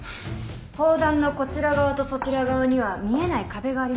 法壇のこちら側とそちら側には見えない壁があります。